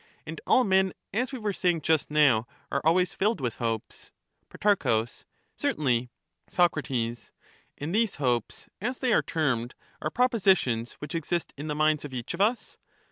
And all men, as we were saying just now, are always filled with hopes ? Pro. Certainly. Soc. And these hopes, as they are termed, are propositions which exist in the minds of each of us